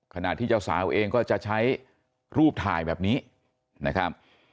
ขณะที่เจ้าสาวเองก็จะใช้รูปถ่ายแบบนี้นะครับ